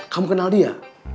kamu kenal dia